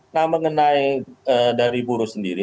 nah mengenai dari buruh sendiri